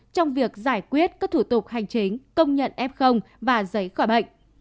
trong việc giải quyết các thủ tục hành chính công nhận f và giấy khỏi bệnh